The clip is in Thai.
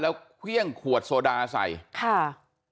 แล้วเครื่องขวดโซดาใส่ค่ะ